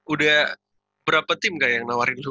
udah berapa tim gak yang nawarin itu